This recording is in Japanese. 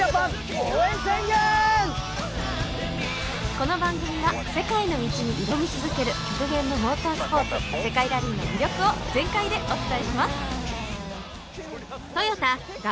この番組は世界の道に挑み続ける極限のモータースポーツ世界ラリーの魅力を全開でお伝えします。